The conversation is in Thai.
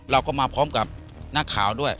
เราก็มากับหน้าข่าวด้วย